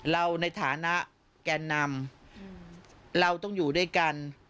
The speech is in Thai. เราในฐานะแก่นำเราต้องอยู่ด้วยกัน